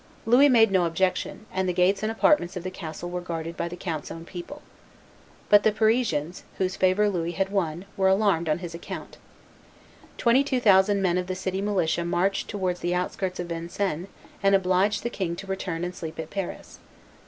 Louis made no objection; and the gate and apartments of the castle were guarded by the count's own people. But the Parisians, whose favor Louis had won, were alarmed on his account. Twenty two thousand men of the city militia marched towards the outskirts of Vincennes and obliged the king to return and sleep at Paris.